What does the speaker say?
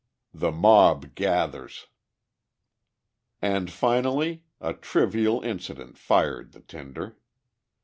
The Mob Gathers And, finally, a trivial incident fired the tinder.